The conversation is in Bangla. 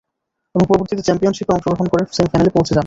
এবং পরবর্তীতে চ্যাম্পিয়নশিপে অংশগ্রহণ করে ফাইনালে পৌছে যান।